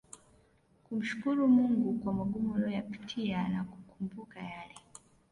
kumshukru Mungu kwa magumu uliyoyapitia na kukumbuka yale